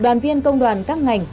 đoàn viên công đoàn các ngành